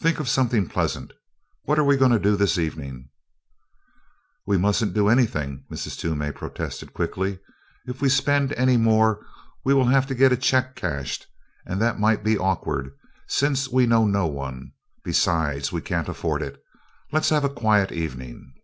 "Think of something pleasant what are we going to do this evening?" "We mustn't do anything," Mrs. Toomey protested quickly. "If we spend any more we will have to get a check cashed, and that might be awkward, since we know no one; besides, we can't afford it. Let's have a quiet evening."